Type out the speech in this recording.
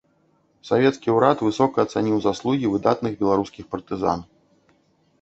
Савецкі ўрад высока ацаніў заслугі выдатных беларускіх партызан.